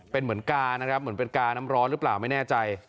เป็นเหมือนกานะครับเหมือนเป็นกาน้ำร้อนหรือเปล่าไม่แน่ใจ